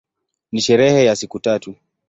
Ni sherehe ya siku tatu.